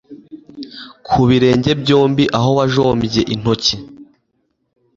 ku birenge byombi aho wajombye intoki